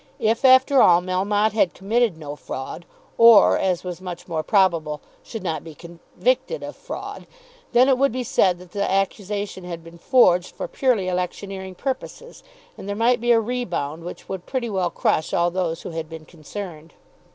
If, after all, Melmotte had committed no fraud, or, as was much more probable, should not be convicted of fraud, then it would be said that the accusation had been forged for purely electioneering purposes, and there might be a rebound which would pretty well crush all those who had been concerned.